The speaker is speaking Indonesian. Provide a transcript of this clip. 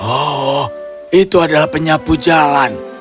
oh itu adalah penyapu jalan